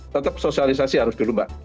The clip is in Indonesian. tetap sosialisasi harus dulu mbak